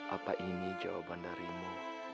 apa ini jawaban darimu